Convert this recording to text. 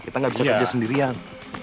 kita nggak bisa kerja sendirian